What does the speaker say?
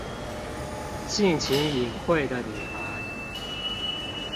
性情穎慧的女孩